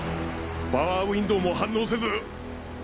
パワーウィンドウも反応せずうわっ！